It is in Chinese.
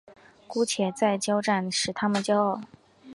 姑且再交战使他们骄傲。